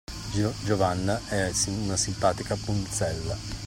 Giovanna è una simpatica pulzella.